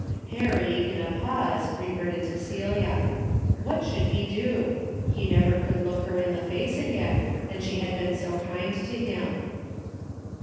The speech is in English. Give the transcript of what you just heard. Harry, in a pause, reverted to Celia. What should he do ? He never could look her in the face again, and she had been so kind to him.